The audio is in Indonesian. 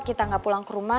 kita nggak pulang ke rumah